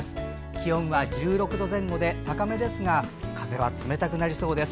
気温は１６度前後で高めですが風は冷たくなりそうです。